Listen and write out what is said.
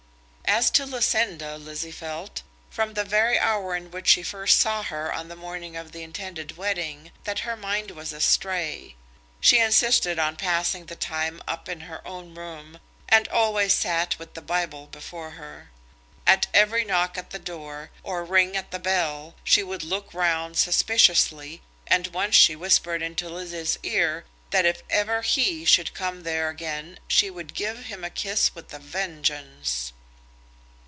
As to Lucinda, Lizzie felt, from the very hour in which she first saw her on the morning of the intended wedding, that her mind was astray. She insisted on passing the time up in her own room, and always sat with the Bible before her. At every knock at the door, or ring at the bell, she would look round suspiciously, and once she whispered into Lizzie's ear that if ever "he" should come there again she would "give him a kiss with a vengeance."